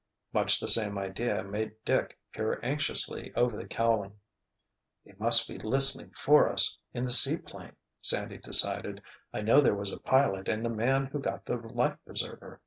Much the same idea made Dick peer anxiously over the cowling. "They must be listening for us, in the seaplane," Sandy decided. "I know there was a pilot and the man who got the life preserver.